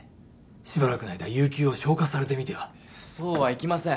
しばらくの間有給を消化されてみてはそうはいきません